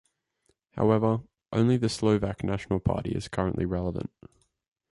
However, only the Slovak National Party is currently relevant.